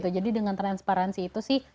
jadi dengan transparansi itu sih